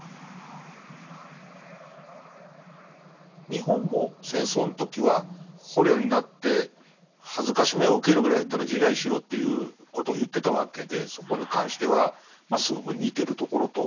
日本も戦争の時は捕虜になって辱めを受けるぐらいだったら自害しろっていうことを言ってたわけでそこに関してはまあすごく似てるところと。